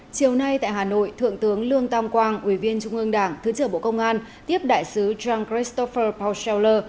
chiều nay tại hà nội thượng tướng lương tam quang ủy viên trung ương đảng thứ trưởng bộ công an tiếp đại sứ john christopher paul scheller